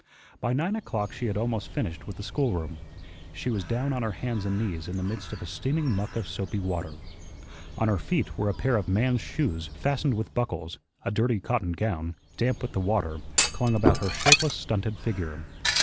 By nine o'clock she had almost finished with the schoolroom. She was down on her hands and knees in the midst of a steaming muck of soapy water. On her feet were a pair of man's shoes fastened with buckles; a dirty cotton gown, damp with the water, clung about her shapeless, stunted figure.